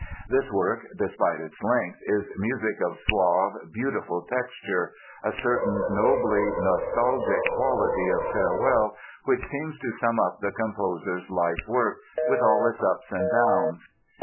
This work, despite its length, is music of suave, beautiful texture; a certain nobly nostalgic quality of farewell which seems to sum up the composer's life work, with all its ups and downs.